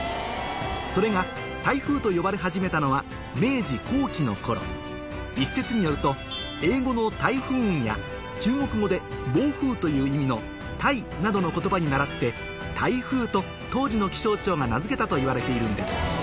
それが「台風」と呼ばれ始めたのは明治後期の頃一説によると英語の「ｔｙｐｈｏｏｎ」や中国語で「暴風」という意味の「颱」などの言葉に倣って「台風」と当時の気象庁が名付けたといわれているんです